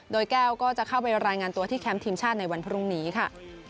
โดยแก้วก็จะเข้าไปรายงานตัวที่แคมป์ทีมชาติในวันพรุ่งนี้ค่ะ